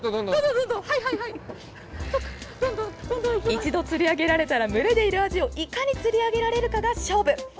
一度釣り上げられたら群れでいるアジをいかに釣り上げられるかが勝負。